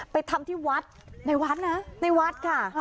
ทำที่วัดในวัดนะในวัดค่ะ